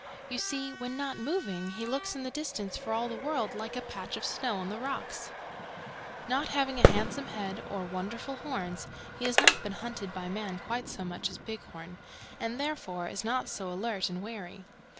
You see, when not moving, he looks in the distance for all the world like a patch of snow on the rocks. "Not having a handsome head or wonderful horns he has not been hunted by man quite so much as has Bighorn, and therefore is not so alert and wary.